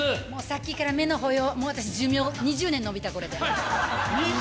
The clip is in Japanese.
さっきから目の保養、私これで寿命、２０年延びた、これで。